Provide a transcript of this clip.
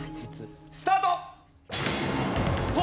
スタート！